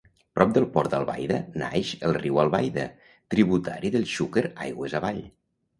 Prop del port d'Albaida naix el riu Albaida, tributari del Xúquer aigües avall.